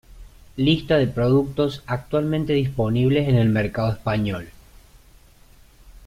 Lista de productos actualmente disponibles en el mercado español.